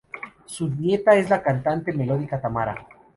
Su nieta es la cantante melódica Tamara.